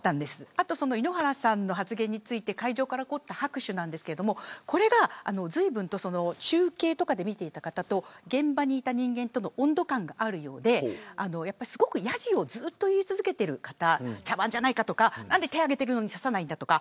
あと井ノ原さんの発言について会場から起こった拍手ですがこれがずいぶんと中継とかで見ていた方と現場にいた人間で温度感があるようですごくやじを言い続けている方茶番じゃないかとか手を挙げてるのに何で指さないんだとか。